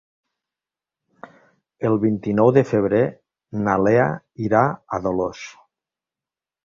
El vint-i-nou de febrer na Lea irà a Dolors.